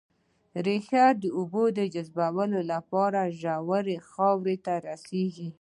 ريښه د اوبو جذبولو لپاره ژورې خاورې ته رسېږي